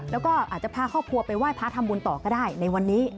แล้วก็อาจจะพาครอบครัวไปไหว้พระทำบุญต่อก็ได้ในวันนี้